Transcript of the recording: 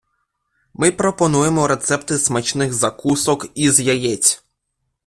Ми пропонуємо рецепти смачних закусок із яєць.